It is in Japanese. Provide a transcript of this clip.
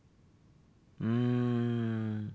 うん。